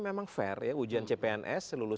memang fair ya ujian cpns seluruh